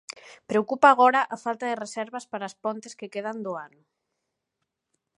Preocupa agora a falta de reservas para as pontes que quedan do ano.